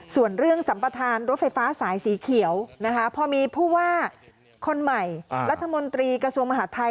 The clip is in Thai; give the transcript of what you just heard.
ส่วนเรื่องสัมประธานรถไฟฟ้าสายสีเขียวนะคะพอมีผู้ว่าคนใหม่รัฐมนตรีกระทรวงมหาดไทย